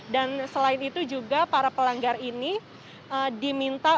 dan selain itu juga para pelanggar ini diminta